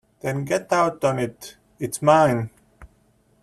Then get out on it — it’s mine.